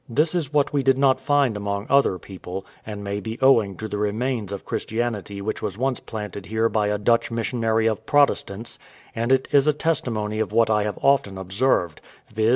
This is what we did not find among other people, and may be owing to the remains of Christianity which was once planted here by a Dutch missionary of Protestants, and it is a testimony of what I have often observed, viz.